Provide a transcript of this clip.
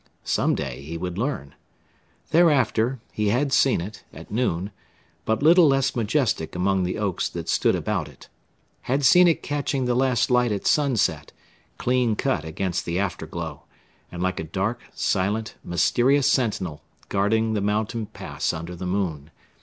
Some day he would learn. Thereafter, he had seen it, at noon but little less majestic among the oaks that stood about it; had seen it catching the last light at sunset, clean cut against the after glow, and like a dark, silent, mysterious sentinel guarding the mountain pass under the moon.